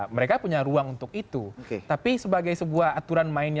mereka punya ruang untuk itu